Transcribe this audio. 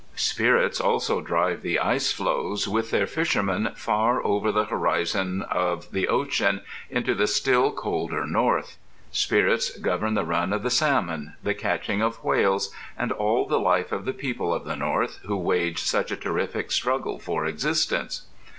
Spirits also drive the ice floes, with their fishermen, far over the horizon of ocean, into the still colder North. Spirits govern the run of the salmon, the catching of whales, and all the life of the people of the North who wage such a terrific struggle for existence.